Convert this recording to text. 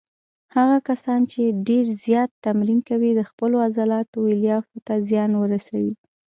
هغه کسان چې ډېر زیات تمرین کوي د خپلو عضلاتو الیافو ته زیان ورسوي.